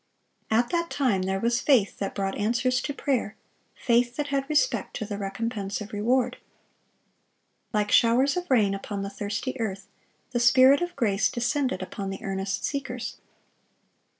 At that time there was faith that brought answers to prayer,—faith that had respect to the recompense of reward. Like showers of rain upon the thirsty earth, the Spirit of grace descended upon the earnest seekers.